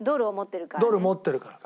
ドルを持ってるからね。